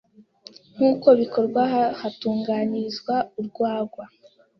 nk’uko bikorwa aha hatunganyirizwa urwagwa